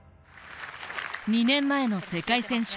２年前の世界選手権。